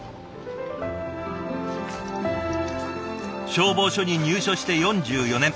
消防署に入署して４４年。